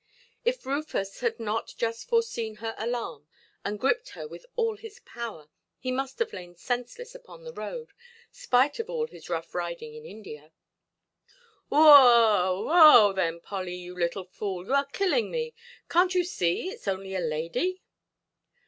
If Rufus had not just foreseen her alarm, and gripped her with all his power, he must have lain senseless upon the road, spite of all his rough–riding in India. "Who–hoa, who–hoa, then, Polly, you little fool, you are killing me! Canʼt you see itʼs only a lady"?